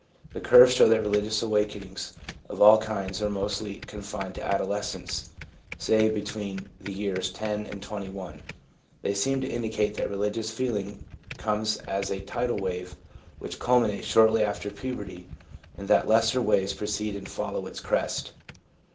The curves show that religious awakenings of all kinds are mostly con fined to adolescence — say, between the years 10 and 21. They seem to indicate that religious feeling comes as a tidal wave which culminates shortly after puberty, and that lesser waves precede and follow its crest.